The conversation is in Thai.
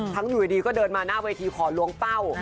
อยู่ดีก็เดินมาหน้าเวทีขอล้วงเป้า